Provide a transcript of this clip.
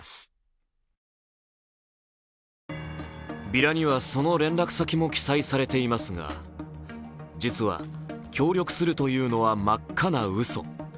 ビラには、その連絡先も記載されていますが、実は、協力するというのは真っ赤なうそ。